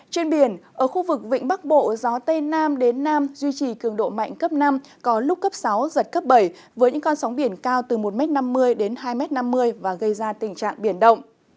trên biển ở khu vực vịnh bắc bộ gió tây nam đến nam duy trì cường độ mạnh cấp năm có lúc cấp sáu giật cấp bảy với những con sóng biển cao từ một năm mươi đến hai năm mươi và gây ra tình trạng biển động